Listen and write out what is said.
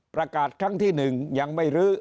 ประกาศครั้งที่๑ยังไม่รื้อ